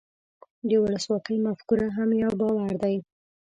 د ولسواکۍ مفکوره هم یو باور دی.